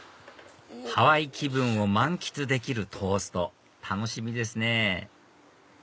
ハワイ気分を満喫できるトースト楽しみですね